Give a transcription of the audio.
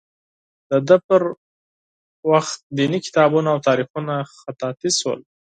د ده پر مهال دیني کتابونه او تاریخونه خطاطي شول.